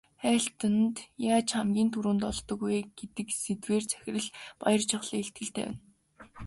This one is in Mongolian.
Хайлтад яаж хамгийн түрүүнд олдох вэ гэдэг сэдвээр захирал Баяржавхлан илтгэл тавина.